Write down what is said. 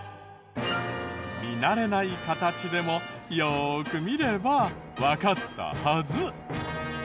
見慣れない形でもよーく見ればわかったはず。